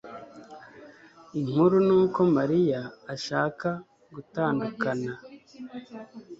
Inkuru nuko Mariya ashaka gutandukana